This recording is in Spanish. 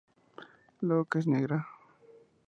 La boca es negra.